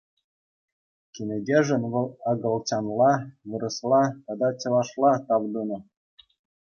Кӗнекешӗн вӑл акӑлчанла, вырӑсла тата чӑвашла тав тунӑ.